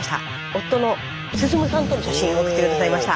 夫の進さんとの写真を送って下さいました。